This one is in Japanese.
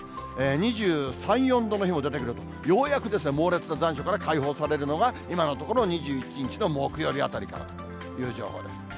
２３、４度の日も出てくると、ようやく猛烈な残暑から解放されるのが今のところ、２１日の木曜日あたりからという情報です。